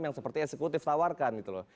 yang seperti eksekutif tawarkan gitu loh